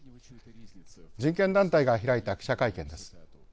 人権団体が開いた記者会見です。